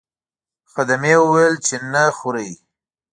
خدمې وویل چې نه خورئ.